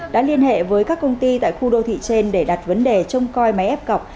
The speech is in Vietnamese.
đã liên hệ với các công ty tại khu đô thị trên để đặt vấn đề trông coi máy ép cọc